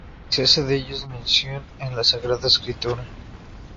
Se hace de ellos mención en la Sagrada Escritura.